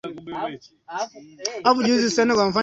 kongosho haifanyi kazi ya kuzalisha insulini mpya